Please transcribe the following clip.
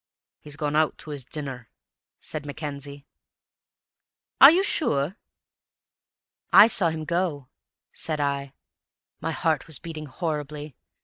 "He's gone out to his dinner," said Mackenzie. "Are you sure?" "I saw him go," said I. My heart was beating horribly.